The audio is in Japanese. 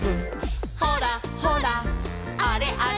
「ほらほらあれあれ」